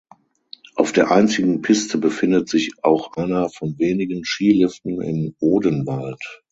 Auf der einzigen Piste befindet sich auch einer von wenigen Skiliften im Odenwald.